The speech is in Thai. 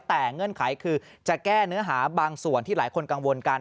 แต่เงื่อนไขคือจะแก้เนื้อหาบางส่วนที่หลายคนกังวลกัน